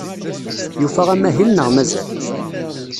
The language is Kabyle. Yufa amahil neɣ mazal?